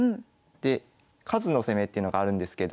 で数の攻めっていうのがあるんですけど。